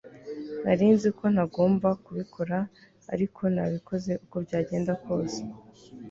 Nari nzi ko ntagomba kubikora ariko nabikoze uko byagenda kose